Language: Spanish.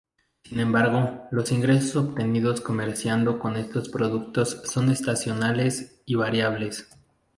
Sin embargo, los ingresos obtenidos comerciando con estos productos son estacionales y variables.